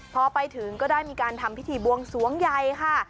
พอไปถึงก็ได้มีการทำพิธีบวงสวงใหญ่ค่ะ